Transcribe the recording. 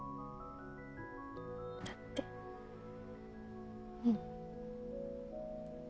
だってうん。